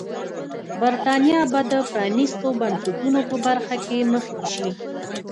برېټانیا به د پرانیستو بنسټونو په برخه کې مخکې شي.